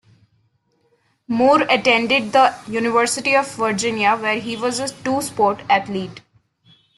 Moore attended the University of Virginia, where he was a two-sport athlete.